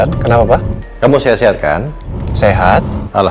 oh nggak apa apa mungkin tidak apa adaai